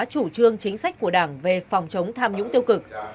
chủ trương chính sách của đảng về phòng chống tham nhũng tiêu cực